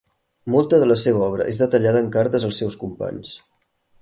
Molta de la seva obra és detallada en cartes als seus companys.